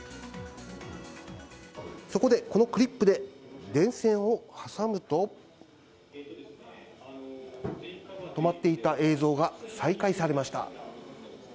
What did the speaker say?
そこで、このクリップで電線を挟むと、止まっていた映像が再開されました。